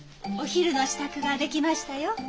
お昼の支度ができましたよ。